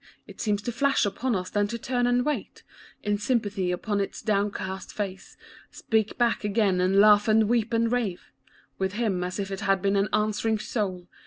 It seemed To flash upon us, then to turn and In sympathy upon his downcast face, Speak back again, and laugh and weep and With him, as if it had an answering soul.